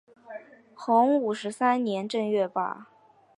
洪武十三年正月罢。